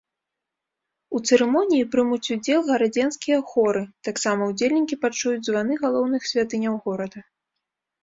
У цырымоніі прымуць удзел гарадзенскія хоры, таксама ўдзельнікі пачуюць званы галоўных святыняў горада.